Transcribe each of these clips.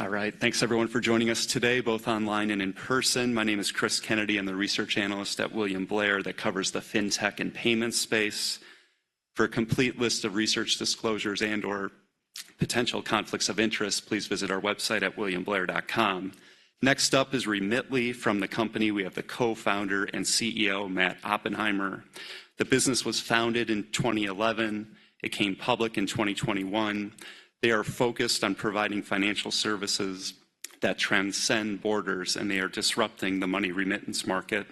All right, thanks everyone for joining us today, both online and in person. My name is Chris Kennedy, I'm the research analyst at William Blair that covers the fintech and payment space. For a complete list of research disclosures and/or potential conflicts of interest, please visit our website at williamblair.com. Next up is Remitly. From the company, we have the co-founder and CEO, Matt Oppenheimer. The business was founded in 2011. It came public in 2021. They are focused on providing financial services that transcend borders, and they are disrupting the money remittance market.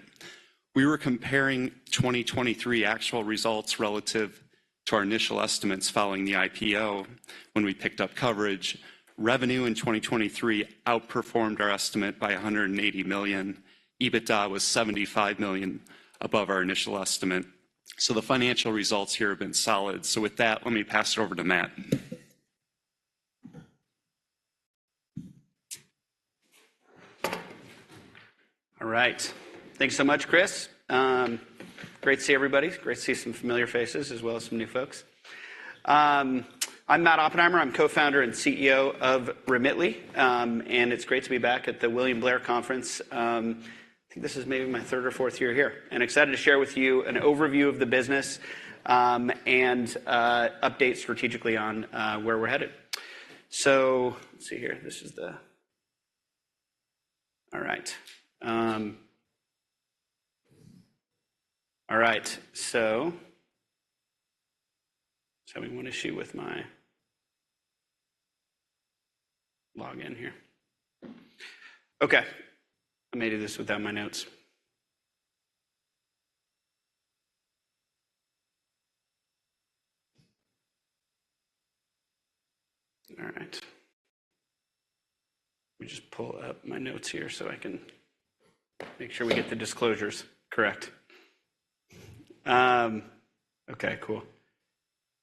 We were comparing 2023 actual results relative to our initial estimates following the IPO, when we picked up coverage. Revenue in 2023 outperformed our estimate by $180 million. EBITDA was $75 million above our initial estimate, so the financial results here have been solid. With that, let me pass it over to Matt. All right. Thanks so much, Chris. Great to see everybody. Great to see some familiar faces as well as some new folks. I'm Matt Oppenheimer. I'm co-founder and CEO of Remitly, and it's great to be back at the William Blair Conference. I think this is maybe my third or fourth year here, and excited to share with you an overview of the business, and update strategically on where we're headed. So let's see here. This is the... All right. All right, so there's one issue with my login here. Okay, I may do this without my notes. All right. Let me just pull up my notes here so I can make sure we get the disclosures correct. Okay, cool.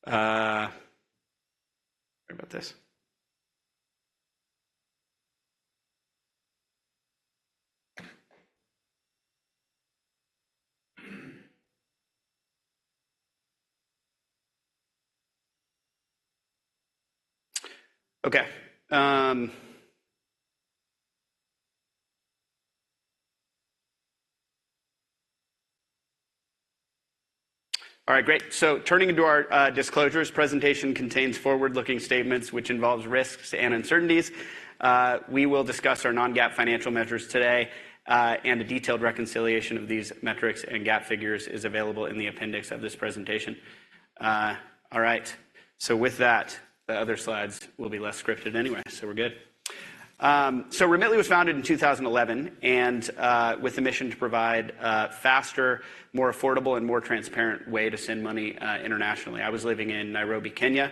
Sorry about this. Okay. All right, great. So turning to our disclosures, presentation contains forward-looking statements, which involves risks and uncertainties. We will discuss our non-GAAP financial measures today, and a detailed reconciliation of these metrics and GAAP figures is available in the appendix of this presentation. All right. So with that, the other slides will be less scripted anyway, so we're good. So Remitly was founded in 2011, and with a mission to provide a faster, more affordable, and more transparent way to send money internationally. I was living in Nairobi, Kenya.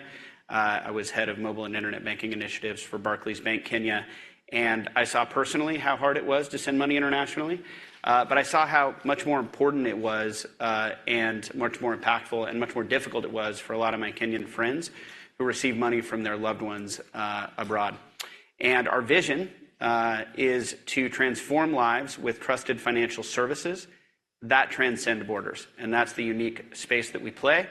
I was head of mobile and internet banking initiatives for Barclays Bank Kenya, and I saw personally how hard it was to send money internationally. But I saw how much more important it was, and much more impactful and much more difficult it was for a lot of my Kenyan friends who received money from their loved ones, abroad. Our vision is to transform lives with trusted financial services that transcend borders, and that's the unique space that we play.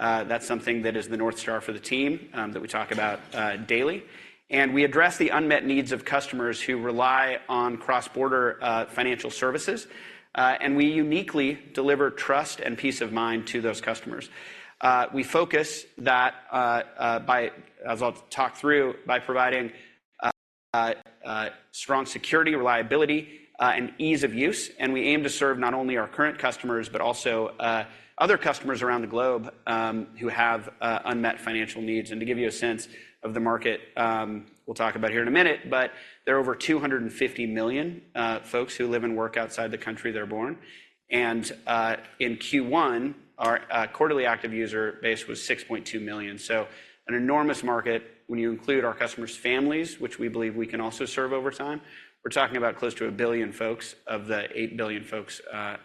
That's something that is the North Star for the team, that we talk about, daily. We address the unmet needs of customers who rely on cross-border, financial services, and we uniquely deliver trust and peace of mind to those customers. We focus that by, as I'll talk through, by providing strong security, reliability, and ease of use, and we aim to serve not only our current customers, but also other customers around the globe, who have unmet financial needs. And to give you a sense of the market, we'll talk about here in a minute, but there are over 250 million folks who live and work outside the country they're born. And in Q1, our quarterly active user base was 6.2 million. So an enormous market when you include our customers' families, which we believe we can also serve over time. We're talking about close to 1 billion folks of the 8 billion folks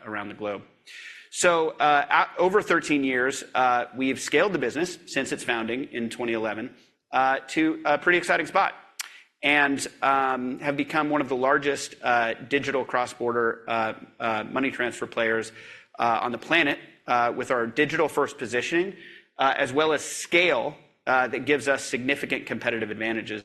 around the globe. So, at over 13 years, we've scaled the business since its founding in 2011, to a pretty exciting spot, and have become one of the largest digital cross-border money transfer players on the planet, with our digital-first positioning, as well as scale, that gives us significant competitive advantages.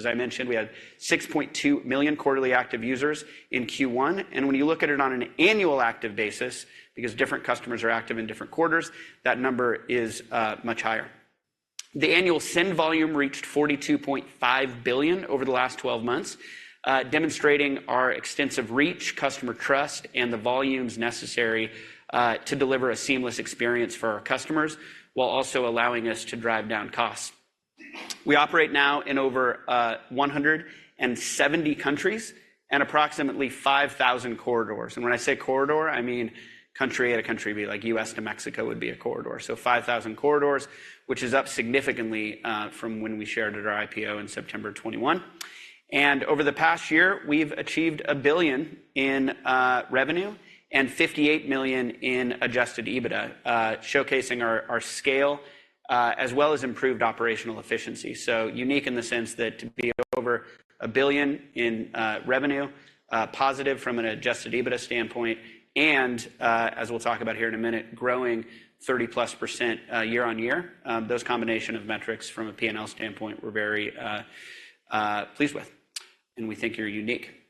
As I mentioned, we had 6.2 million quarterly active users in Q1, and when you look at it on an annual active basis, because different customers are active in different quarters, that number is much higher. The annual send volume reached $42.5 billion over the last 12 months, demonstrating our extensive reach, customer trust, and the volumes necessary to deliver a seamless experience for our customers, while also allowing us to drive down costs. We operate now in over 170 countries and approximately 5,000 corridors. And when I say corridor, I mean country to country, be like U.S. to Mexico would be a corridor. So 5,000 corridors, which is up significantly from when we shared at our IPO in September 2021. And over the past year, we've achieved $1 billion in revenue and $58 million in Adjusted EBITDA, showcasing our, our scale as well as improved operational efficiency. So unique in the sense that to be over $1 billion in revenue, positive from an Adjusted EBITDA standpoint, and as we'll talk about here in a minute, growing 30%+ year-on-year. Those combination of metrics from a P&L standpoint, we're very pleased with and we think you're unique.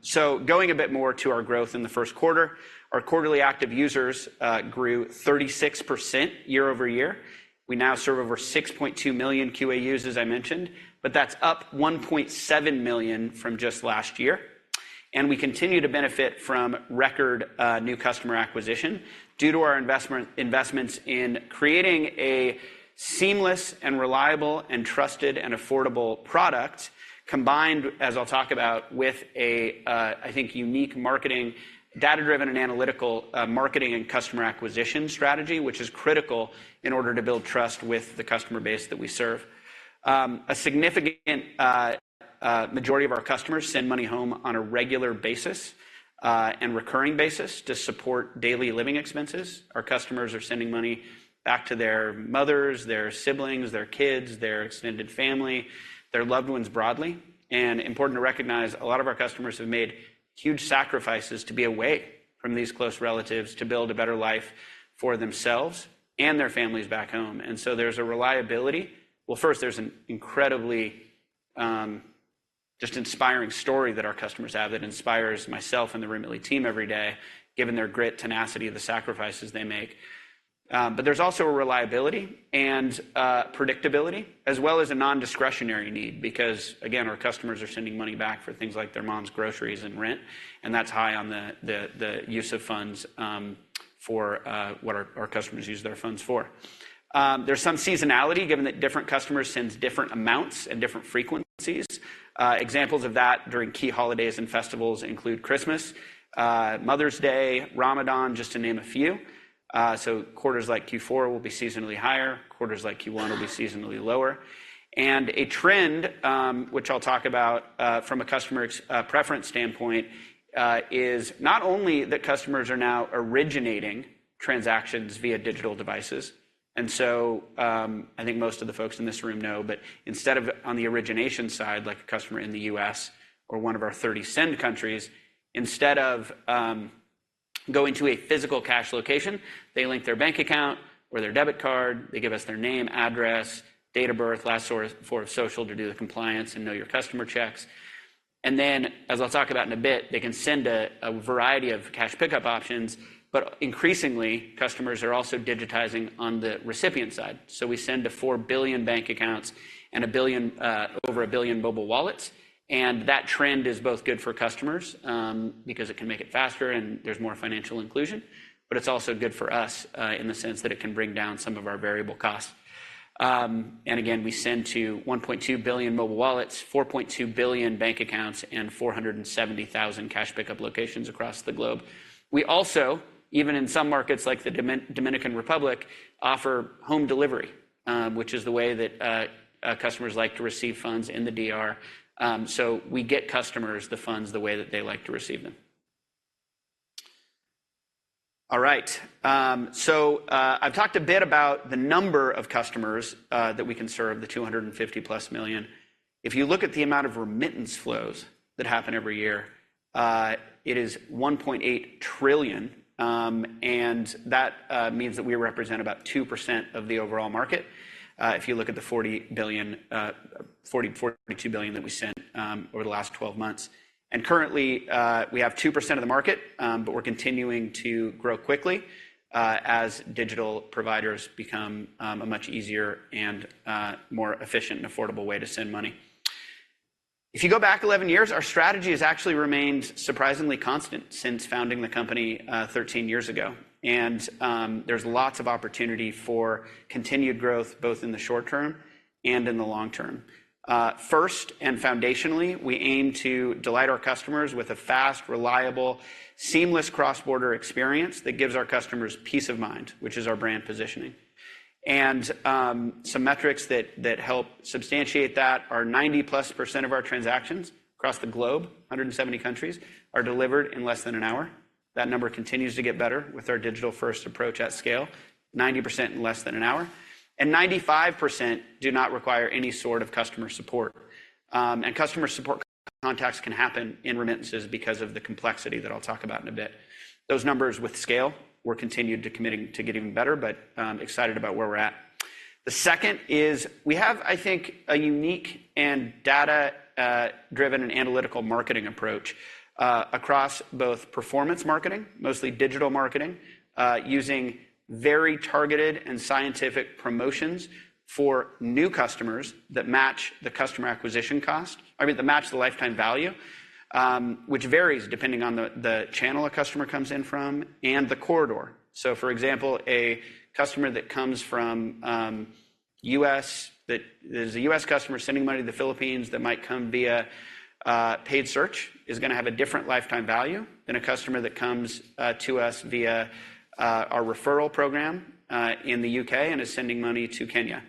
So going a bit more to our growth in the first quarter, our quarterly active users grew 36% year-over-year. We now serve over 6.2 million QAUs, as I mentioned, but that's up 1.7 million from just last year. And we continue to benefit from record new customer acquisition due to our investments in creating a seamless and reliable and trusted and affordable product, combined, as I'll talk about, with a, I think, unique marketing, data-driven and analytical, marketing and customer acquisition strategy, which is critical in order to build trust with the customer base that we serve. A significant majority of our customers send money home on a regular basis and recurring basis to support daily living expenses. Our customers are sending money back to their mothers, their siblings, their kids, their extended family, their loved ones broadly. And important to recognize, a lot of our customers have made huge sacrifices to be away from these close relatives to build a better life for themselves and their families back home. And so there's a reliability. Well, first, there's an incredibly just inspiring story that our customers have that inspires myself and the Remitly team every day, given their grit, tenacity, and the sacrifices they make. But there's also a reliability and predictability, as well as a non-discretionary need, because, again, our customers are sending money back for things like their mom's groceries and rent, and that's high on the use of funds for what our customers use their funds for. There's some seasonality, given that different customers send different amounts and different frequencies. Examples of that during key holidays and festivals include Christmas, Mother's Day, Ramadan, just to name a few. So quarters like Q4 will be seasonally higher, quarters like Q1 will be seasonally lower. A trend, which I'll talk about, from a customer preference standpoint, is not only that customers are now originating transactions via digital devices, and so, I think most of the folks in this room know, but instead of on the origination side, like a customer in the U.S. or one of our 30 send countries, instead of going to a physical cash location, they link their bank account or their debit card. They give us their name, address, date of birth, last four of Social to do the compliance and Know Your Customer checks. Then, as I'll talk about in a bit, they can send a variety of cash pickup options, but increasingly, customers are also digitizing on the recipient side. So we send to 4 billion bank accounts and 1 billion, over 1 billion mobile wallets, and that trend is both good for customers, because it can make it faster and there's more financial inclusion, but it's also good for us, in the sense that it can bring down some of our variable costs. And again, we send to 1.2 billion mobile wallets, 4.2 billion bank accounts, and 470,000 cash pickup locations across the globe. We also, even in some markets like the Dominican Republic, offer home delivery, which is the way that customers like to receive funds in the DR. So we get customers the funds the way that they like to receive them. All right, so I've talked a bit about the number of customers that we can serve, the 250+ million. If you look at the amount of remittance flows that happen every year, it is $1.8 trillion, and that means that we represent about 2% of the overall market, if you look at the $42 billion that we sent over the last twelve months. Currently, we have 2% of the market, but we're continuing to grow quickly, as digital providers become a much easier and more efficient and affordable way to send money. If you go back 11 years, our strategy has actually remained surprisingly constant since founding the company, 13 years ago, and there's lots of opportunity for continued growth, both in the short term and in the long term. First and foundationally, we aim to delight our customers with a fast, reliable, seamless cross-border experience that gives our customers peace of mind, which is our brand positioning. Some metrics that help substantiate that are 90+% of our transactions across the globe, 170 countries, are delivered in less than an hour. That number continues to get better with our digital-first approach at scale, 90% in less than an hour, and 95% do not require any sort of customer support. Customer support contacts can happen in remittances because of the complexity that I'll talk about in a bit. Those numbers with scale, we're continued to committing to getting better, but excited about where we're at. The second is we have, I think, a unique and data-driven and analytical marketing approach across both performance marketing, mostly digital marketing, using very targeted and scientific promotions for new customers that match the customer acquisition cost—I mean, that match the lifetime value, which varies depending on the channel a customer comes in from and the corridor. So, for example, a customer that comes from U.S., that is a U.S. customer sending money to the Philippines that might come via paid search, is gonna have a different lifetime value than a customer that comes to us via our referral program in the UK and is sending money to Kenya.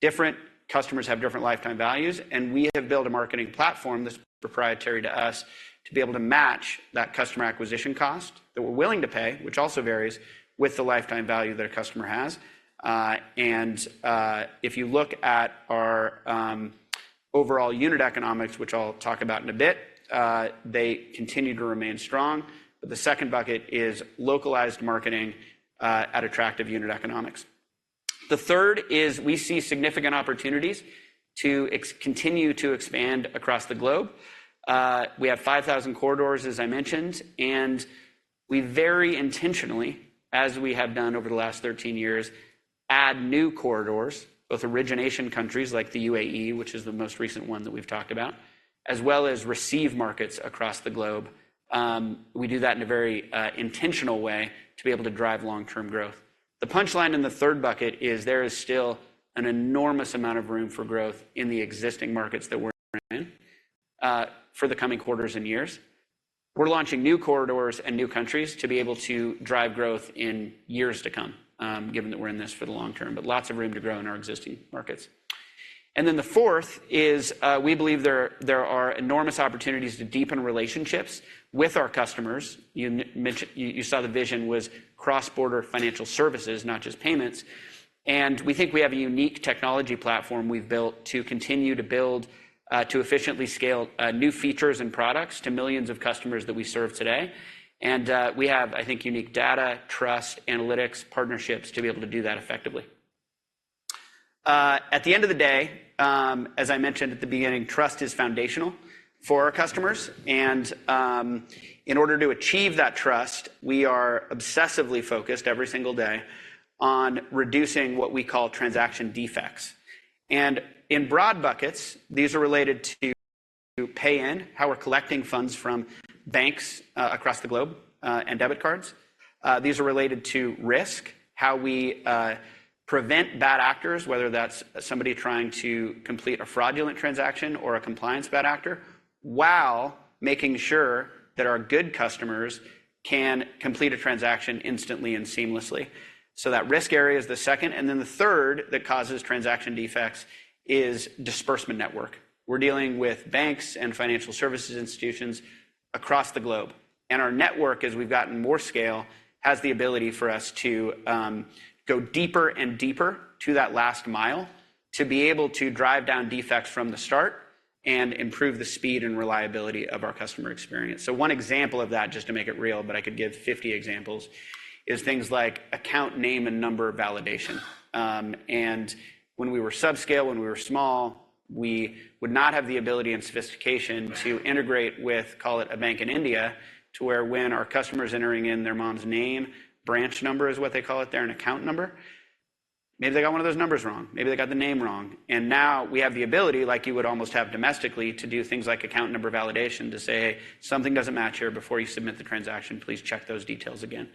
Different customers have different lifetime values, and we have built a marketing platform that's proprietary to us to be able to match that customer acquisition cost that we're willing to pay, which also varies with the lifetime value that a customer has. And if you look at our overall unit economics, which I'll talk about in a bit, they continue to remain strong. But the second bucket is localized marketing at attractive unit economics. The third is we see significant opportunities to continue to expand across the globe. We have 5,000 corridors, as I mentioned, and we very intentionally, as we have done over the last 13 years, add new corridors, both origination countries like the UAE, which is the most recent one that we've talked about, as well as receive markets across the globe. We do that in a very intentional way to be able to drive long-term growth. The punchline in the third bucket is there is still an enormous amount of room for growth in the existing markets that we're in, for the coming quarters and years. We're launching new corridors and new countries to be able to drive growth in years to come, given that we're in this for the long term, but lots of room to grow in our existing markets. And then the fourth is, we believe there are enormous opportunities to deepen relationships with our customers. You mentioned you saw the vision was cross-border financial services, not just payments. And we think we have a unique technology platform we've built to continue to build, to efficiently scale, new features and products to millions of customers that we serve today. And, we have, I think, unique data, trust, analytics, partnerships to be able to do that effectively. At the end of the day, as I mentioned at the beginning, trust is foundational for our customers, and, in order to achieve that trust, we are obsessively focused every single day on reducing what we call transaction defects. And in broad buckets, these are related to pay-in, how we're collecting funds from banks, across the globe, and debit cards. These are related to risk, how we prevent bad actors, whether that's somebody trying to complete a fraudulent transaction or a compliance bad actor, while making sure that our good customers can complete a transaction instantly and seamlessly. So that risk area is the second, and then the third that causes transaction defects is disbursement network. We're dealing with banks and financial services institutions across the globe, and our network, as we've gotten more scale, has the ability for us to go deeper and deeper to that last mile, to be able to drive down defects from the start and improve the speed and reliability of our customer experience. So one example of that, just to make it real, but I could give 50 examples, is things like account name and number validation. And when we were subscale, when we were small, we would not have the ability and sophistication to integrate with, call it a bank in India, to where when our customer's entering in their mom's name, branch number is what they call it there, and account number, maybe they got one of those numbers wrong, maybe they got the name wrong. And now we have the ability, like you would almost have domestically, to do things like account number validation, to say, "Something doesn't match here. Before you submit the transaction, please check those details again."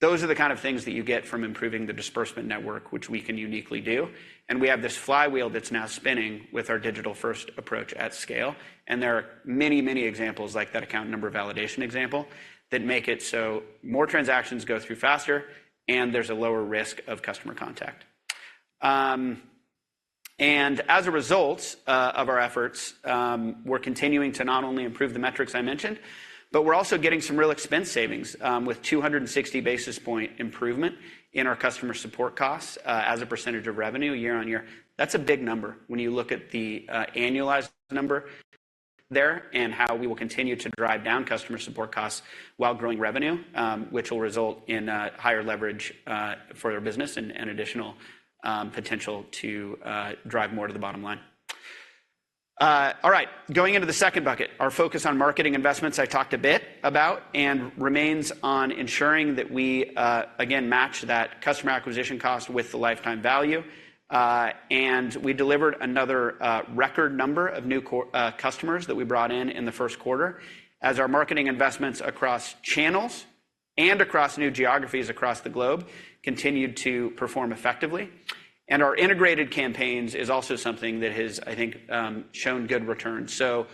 Those are the kind of things that you get from improving the disbursement network, which we can uniquely do. We have this flywheel that's now spinning with our digital-first approach at scale, and there are many, many examples like that account number validation example, that make it so more transactions go through faster and there's a lower risk of customer contact. And as a result, of our efforts, we're continuing to not only improve the metrics I mentioned, but we're also getting some real expense savings, with 260 basis point improvement in our customer support costs, as a percentage of revenue year-over-year. That's a big number when you look at the annualized number there and how we will continue to drive down customer support costs while growing revenue, which will result in higher leverage for their business and additional potential to drive more to the bottom line. All right, going into the second bucket, our focus on marketing investments, I talked a bit about, and remains on ensuring that we again match that customer acquisition cost with the lifetime value. We delivered another record number of new customers that we brought in in the first quarter, as our marketing investments across channels and across new geographies across the globe continued to perform effectively. Our integrated campaigns is also something that has, I think, shown good returns. So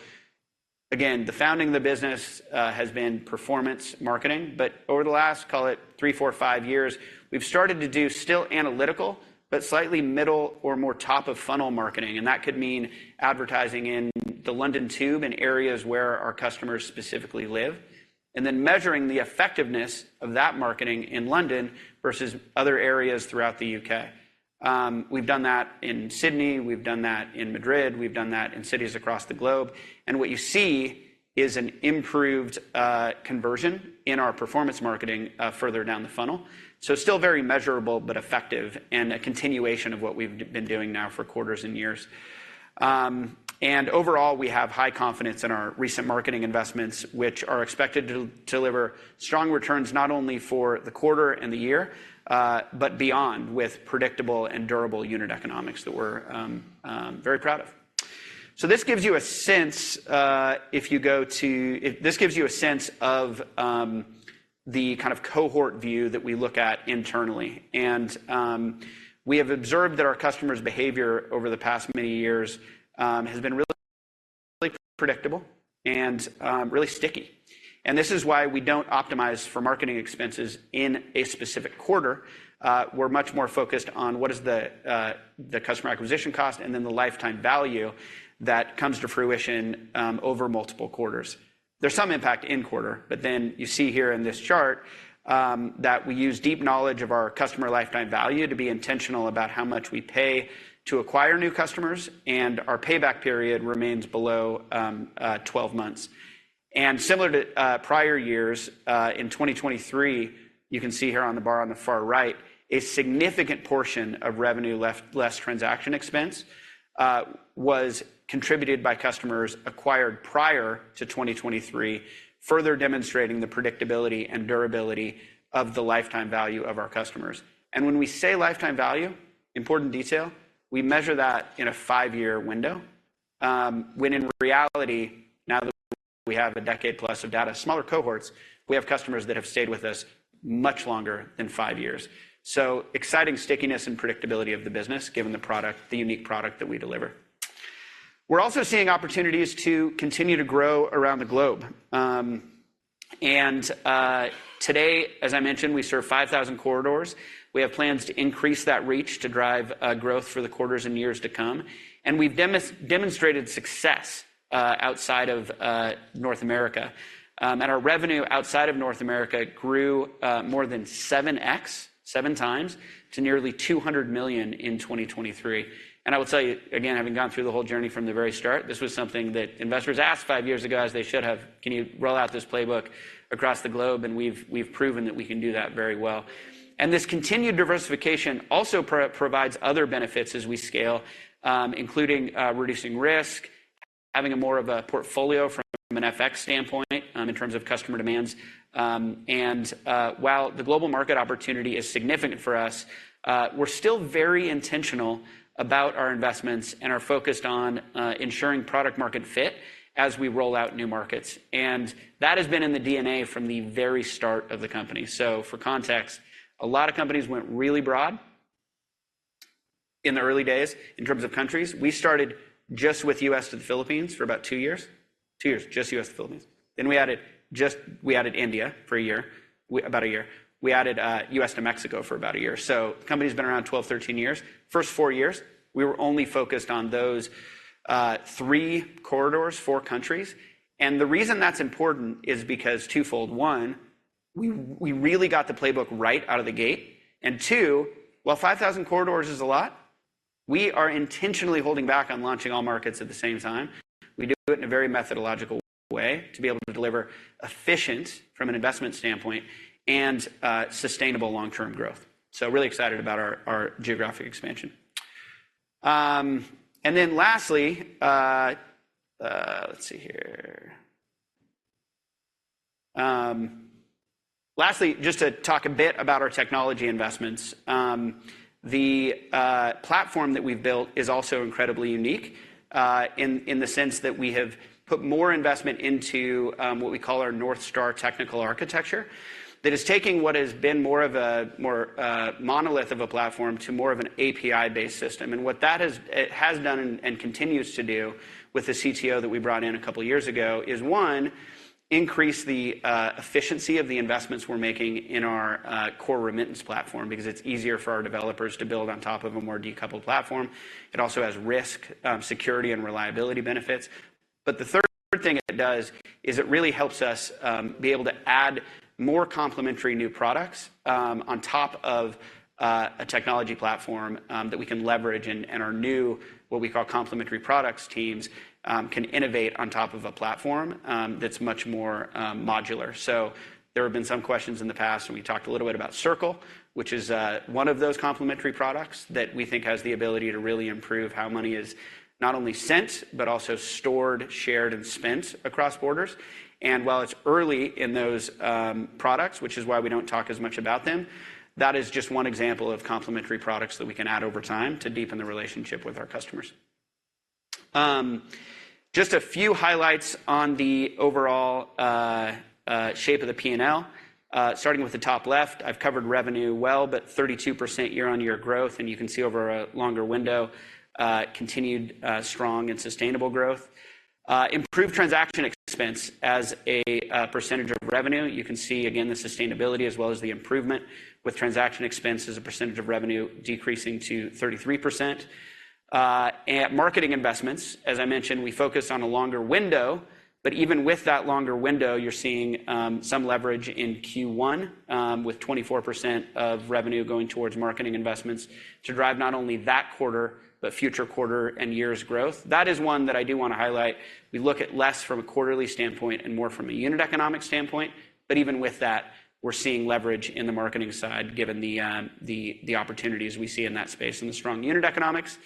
again, the founding of the business has been performance marketing, but over the last, call it three, four, five years, we've started to do still analytical, but slightly middle or more top-of-funnel marketing, and that could mean advertising in the London Tube in areas where our customers specifically live, and then measuring the effectiveness of that marketing in London versus other areas throughout the UK. We've done that in Sydney, we've done that in Madrid, we've done that in cities across the globe. And what you see is an improved conversion in our performance marketing further down the funnel. So still very measurable but effective, and a continuation of what we've been doing now for quarters and years. And overall, we have high confidence in our recent marketing investments, which are expected to deliver strong returns, not only for the quarter and the year, but beyond, with predictable and durable unit economics that we're very proud of. So this gives you a sense of the kind of cohort view that we look at internally. And we have observed that our customers' behavior over the past many years has been really predictable and really sticky. And this is why we don't optimize for marketing expenses in a specific quarter. We're much more focused on what is the customer acquisition cost and then the lifetime value that comes to fruition over multiple quarters. There's some impact in quarter, but then you see here in this chart, that we use deep knowledge of our customer lifetime value to be intentional about how much we pay to acquire new customers, and our payback period remains below, 12 months. And similar to prior years, in 2023, you can see here on the bar on the far right, a significant portion of revenue less transaction expense was contributed by customers acquired prior to 2023, further demonstrating the predictability and durability of the lifetime value of our customers. And when we say lifetime value, important detail, we measure that in a five year window, when in reality, now that we have a decade plus of data, smaller cohorts, we have customers that have stayed with us much longer than five years. So exciting stickiness and predictability of the business, given the product, the unique product that we deliver. We're also seeing opportunities to continue to grow around the globe, and today, as I mentioned, we serve 5,000 corridors. We have plans to increase that reach to drive growth for the quarters and years to come, and we've demonstrated success outside of North America. Our revenue outside of North America grew more than 7x, seven times, to nearly $200 million in 2023. I will tell you again, having gone through the whole journey from the very start, this was something that investors asked five years ago, as they should have: "Can you roll out this playbook across the globe?" We've proven that we can do that very well. And this continued diversification also provides other benefits as we scale, including reducing risk, having more of a portfolio from an FX standpoint, in terms of customer demands. And while the global market opportunity is significant for us, we're still very intentional about our investments and are focused on ensuring product market fit as we roll out new markets. And that has been in the DNA from the very start of the company. So for context, a lot of companies went really broad in the early days in terms of countries. We started just with U.S. to the Philippines for about two years. Two years, just U.S. to Philippines. Then we added India for about a year. We added U.S. to Mexico for about a year. So the company's been around 12, 13 years. First four years, we were only focused on those three corridors, four countries. And the reason that's important is because twofold. One, we really got the playbook right out of the gate. And two, while 5,000 corridors is a lot, we are intentionally holding back on launching all markets at the same time. We do it in a very methodical way to be able to deliver efficient, from an investment standpoint, and sustainable long-term growth. So really excited about our geographic expansion. And then lastly, let's see here. Lastly, just to talk a bit about our technology investments. The platform that we've built is also incredibly unique in the sense that we have put more investment into what we call our North Star technical architecture. That is taking what has been more of a, more, monolith of a platform to more of an API-based system. And what that has, it has done and, and continues to do with the CTO that we brought in a couple of years ago, is, one, increase the efficiency of the investments we're making in our core remittance platform, because it's easier for our developers to build on top of a more decoupled platform. It also has risk, security, and reliability benefits. But the third thing it does is it really helps us be able to add more complementary new products on top of a technology platform that we can leverage and, and our new, what we call complementary products teams, can innovate on top of a platform that's much more modular. So there have been some questions in the past, and we talked a little bit about Circle, which is one of those complementary products that we think has the ability to really improve how money is not only sent, but also stored, shared, and spent across borders. And while it's early in those products, which is why we don't talk as much about them, that is just one example of complementary products that we can add over time to deepen the relationship with our customers. Just a few highlights on the overall shape of the P&L. Starting with the top left, I've covered revenue well, but 32% year-on-year growth, and you can see over a longer window, continued strong and sustainable growth. Improved transaction expense as a percentage of revenue. You can see again the sustainability as well as the improvement with transaction expense as a percentage of revenue decreasing to 33%. And marketing investments, as I mentioned, we focus on a longer window, but even with that longer window, you're seeing some leverage in Q1, with 24% of revenue going towards marketing investments to drive not only that quarter, but future quarter and years growth. That is one that I do want to highlight. We look at less from a quarterly standpoint and more from a unit economic standpoint, but even with that, we're seeing leverage in the marketing side, given the opportunities we see in that space and the strong unit economics.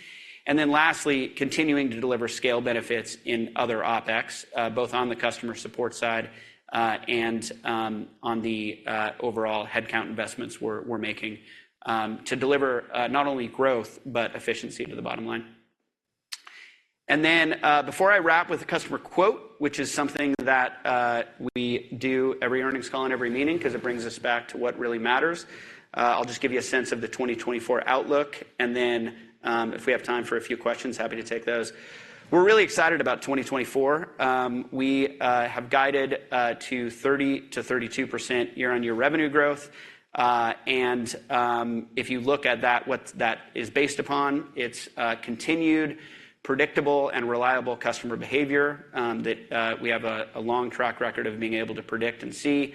And then lastly, continuing to deliver scale benefits in other OpEx, both on the customer support side and on the overall headcount investments we're making to deliver not only growth but efficiency to the bottom line. And then, before I wrap with a customer quote, which is something that we do every earnings call and every meeting, because it brings us back to what really matters, I'll just give you a sense of the 2024 outlook, and then, if we have time for a few questions, happy to take those. We're really excited about 2024. We have guided to 30% to 32% year-on-year revenue growth. And if you look at that, what that is based upon, it's continued, predictable, and reliable customer behavior, that we have a long track record of being able to predict and see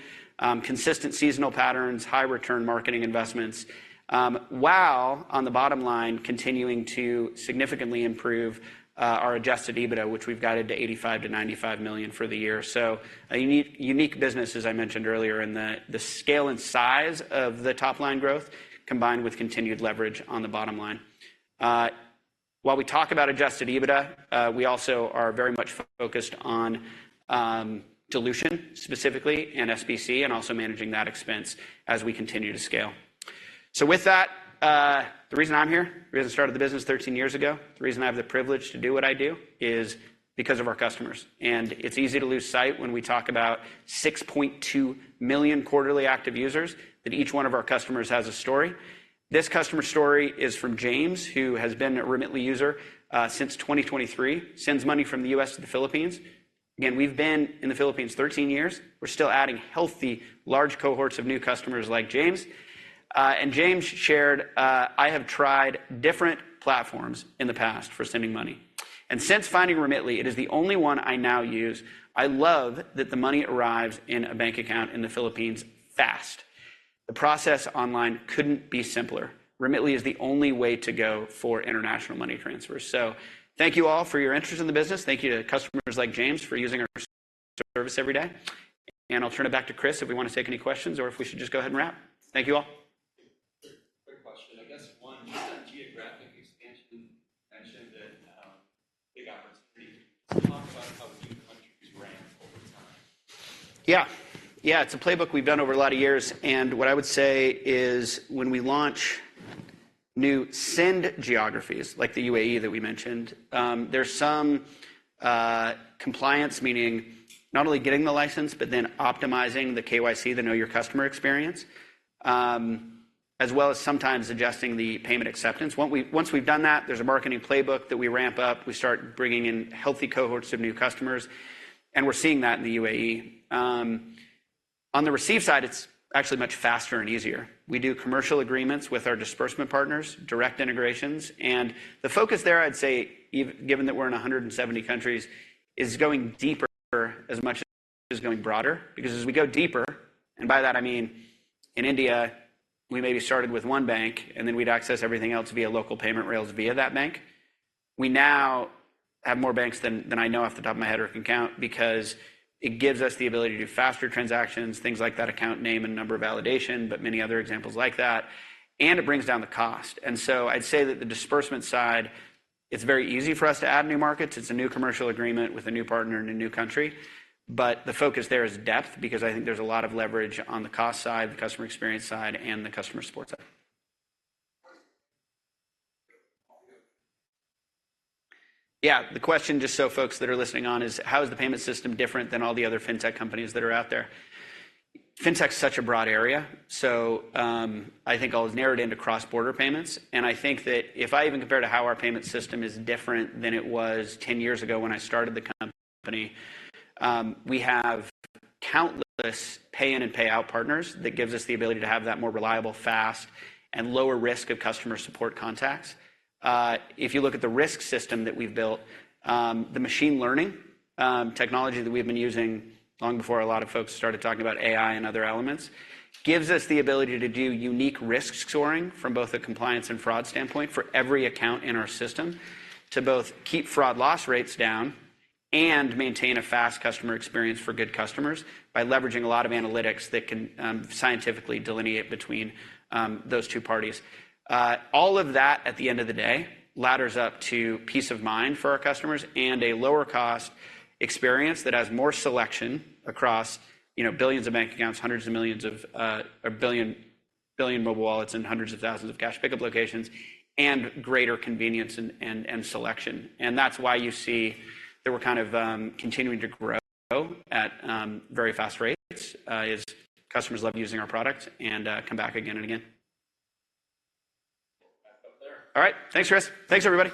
consistent seasonal patterns, high return marketing investments, while on the bottom line, continuing to significantly improve our Adjusted EBITDA, which we've guided to $85 million to $95 million for the year. So a unique, unique business, as I mentioned earlier, and the scale and size of the top-line growth, combined with continued leverage on the bottom line. While we talk about Adjusted EBITDA, we also are very much focused on dilution, specifically in SBC, and also managing that expense as we continue to scale. So with that, the reason I'm here, the reason I started the business 13 years ago, the reason I have the privilege to do what I do, is because of our customers. And it's easy to lose sight when we talk about 6.2 million quarterly active users, that each one of our customers has a story. This customer story is from James, who has been a Remitly user, since 2023, sends money from the U.S. to the Philippines. Again, we've been in the Philippines 13 years. We're still adding healthy, large cohorts of new customers like James. And James shared, "I have tried different platforms in the past for sending money, and since finding Remitly, it is the only one I now use. I love that the money arrives in a bank account in the Philippines fast. The process online couldn't be simpler. Remitly is the only way to go for international money transfers." Thank you all for your interest in the business. Thank you to customers like James for using our service every day. I'll turn it back to Chris, if we want to take any questions, or if we should just go ahead and wrap. Thank you all. Quick, quick question. I guess one, geographic expansion, you mentioned that, big opportunity. Talk about how new countries ramp over time? Yeah. Yeah, it's a playbook we've done over a lot of years, and what I would say is, when we launch new send geographies, like the UAE that we mentioned, there's some compliance, meaning not only getting the license, but then optimizing the KYC, the know your customer experience, as well as sometimes adjusting the payment acceptance. Once we've done that, there's a marketing playbook that we ramp up. We start bringing in healthy cohorts of new customers, and we're seeing that in the UAE. On the receive side, it's actually much faster and easier. We do commercial agreements with our disbursement partners, direct integrations, and the focus there, I'd say, even given that we're in 170 countries, is going deeper as much as going broader. Because as we go deeper, and by that I mean in India, we maybe started with one bank, and then we'd access everything else via local payment rails via that bank. We now have more banks than I know off the top of my head or can count, because it gives us the ability to do faster transactions, things like that, account name and number validation, but many other examples like that, and it brings down the cost. And so I'd say that the disbursement side, it's very easy for us to add new markets. It's a new commercial agreement with a new partner in a new country, but the focus there is depth, because I think there's a lot of leverage on the cost side, the customer experience side, and the customer support side. Yeah, the question, just so folks that are listening on, is: How is the payment system different than all the other fintech companies that are out there? Fintech is such a broad area, so, I think I'll narrow it into cross-border payments. I think that if I even compare to how our payment system is different than it was 10 years ago when I started the company, we have countless pay-in and pay-out partners. That gives us the ability to have that more reliable, fast, and lower risk of customer support contacts. If you look at the risk system that we've built, the machine learning technology that we've been using long before a lot of folks started talking about AI and other elements, gives us the ability to do unique risk scoring from both a compliance and fraud standpoint for every account in our system, to both keep fraud loss rates down and maintain a fast customer experience for good customers by leveraging a lot of analytics that can scientifically delineate between those two parties. All of that, at the end of the day, ladders up to peace of mind for our customers and a lower cost experience that has more selection across, you know, billions of bank accounts, hundreds of millions of 1 billion mobile wallets and hundreds of thousands of cash pickup locations, and greater convenience and selection. That's why you see that we're kind of continuing to grow at very fast rates. Customers love using our product and come back again and again. Back up there. All right. Thanks, Chris. Thanks, everybody.